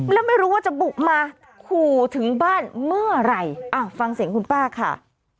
แล้วไม่รู้ว่าจะบุกมาขู่ถึงบ้านเมื่อไหร่ฟังเสียงคุณป้าค่ะ